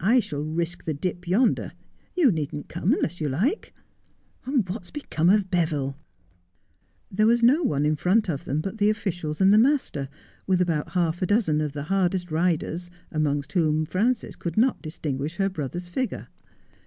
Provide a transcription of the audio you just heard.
I shall risk the dip yonder. You needn't come unless you like. What's become of Beville?' There was no one in front of them but the officials and the master, with about half a dozen of the hardest riders, amongst whom Frances could not distinguish her brother's figure.